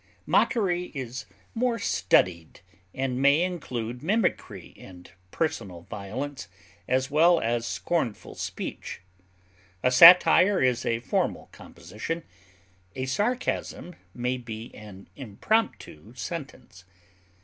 Mockery is more studied, and may include mimicry and personal violence, as well as scornful speech. A satire is a formal composition; a sarcasm may be an impromptu sentence.